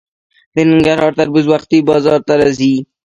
د ننګرهار تربوز وختي بازار ته راځي.